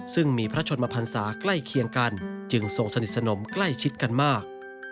ซึ่งมีพระชนมพันศาใกล้เคียงกันจึงทรงสนิทสนมใกล้ชิดกันมาก